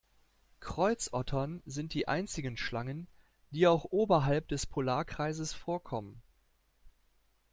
Kreuzottern sind die einzigen Schlangen, die auch oberhalb des Polarkreises vorkommen.